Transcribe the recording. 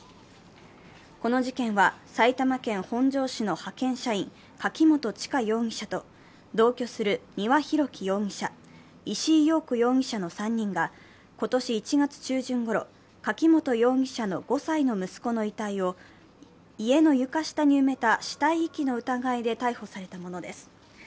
この事件は、埼玉県本庄市の派遣社員・柿本智香容疑者と同居する丹羽洋樹容疑者石井陽子容疑者の３人が今年１月中旬ごろ、柿本容疑者の５歳の息子の遺体を家の床下に埋めた死体遺棄の疑いで逮捕されたものです。